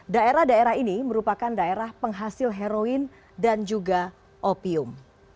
daerah daerah ini merupakan daerah penghasil heroin dan juga opium